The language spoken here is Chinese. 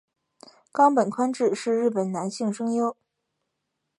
冈本宽志是日本男性声优。